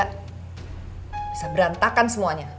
bisa berantakan semuanya